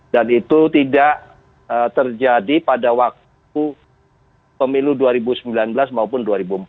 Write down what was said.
dan itu tidak terjadi pada waktu pemilu dua ribu sembilan belas maupun dua ribu empat belas